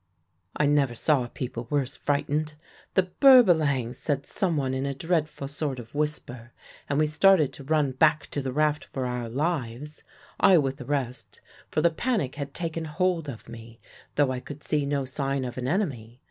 "I never saw people worse frightened. 'The Berbalangs!' said someone in a dreadful sort of whisper, and we started to run back to the raft for our lives I with the rest, for the panic had taken hold of me, though I could see no sign of an enemy.